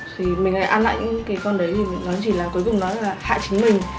thì mình lại ăn lại những cái con đấy thì nói gì là cuối cùng nó là hại chính mình